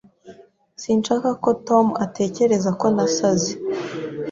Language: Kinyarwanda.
Sinshaka ko Tom atekereza ko nasaze.